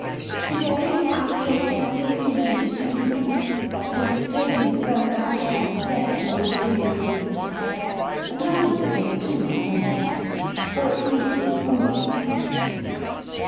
To day, I came to the conclusion to leave it; and have taken the first actual step toward doing so. A lucky step, too, I fancy; or, at least, it promises to be."